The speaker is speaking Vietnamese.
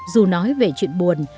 dù nói về chuyện buồn